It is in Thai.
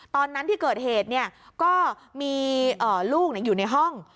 ตอนนั้นที่เกิดเหตุก็มีลูกอยู่ในห้อง